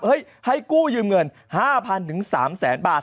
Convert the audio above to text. ให้กู้ยืมเงิน๕๐๐๐ถึง๓แสนบาท